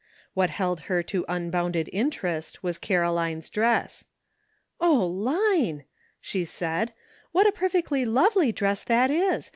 What held her to un bounded interest was Caroline's dress. " O, Line!" she said, "what a perfectly lovely dress that is